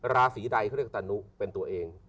ราศีใดเขาเรียกตานุเป็นตัวเอง